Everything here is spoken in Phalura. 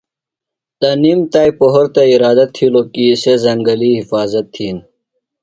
تنِم تا پُہرتہ اِرادہ تِھیلوۡ کی سےۡ زنگلی حِفاظت تِھین۔